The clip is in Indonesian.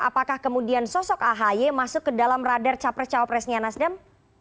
apakah kemudian sosok ahy masuk ke dalam radar capres capresnya nasdem